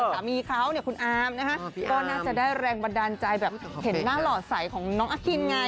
สามีเขาเนี่ยคุณอามนะฮะก็น่าจะได้แรงบันดาลใจแบบเห็นหน้าหล่อใสของน้องอคินไง